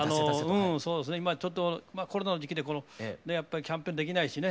今ちょっとコロナの時期でキャンペーンできないしね。